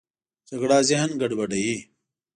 جګړه ذهن ګډوډوي